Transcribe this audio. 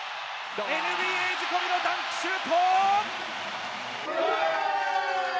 ＮＢＡ仕込みのダンクシュート！